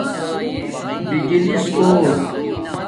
بجلیس کوٹ